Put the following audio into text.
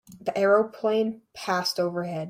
The aeroplane passed overhead.